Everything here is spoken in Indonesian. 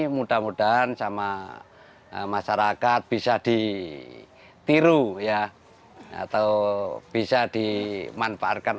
mudah mudahan sama masyarakat bisa ditiru ya atau bisa dimanfaatkan